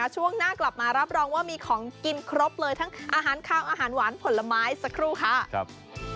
ช่วงหน้ากลับมารับรองว่ามีของกินครบเลยทั้งอาหารขาวอาหารหวานผลไม้สักครู่ค่ะ